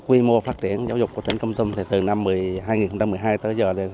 quy mô phát triển giáo dục của tỉnh con tum thì từ năm hai nghìn một mươi hai tới giờ